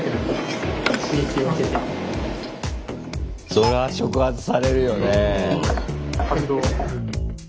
そりゃ触発されるよね。